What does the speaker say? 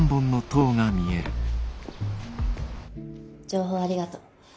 「情報ありがとう。